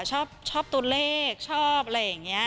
ชอบเลยอ่ะชอบตูเลขชอบอะไรอย่างเงี้ย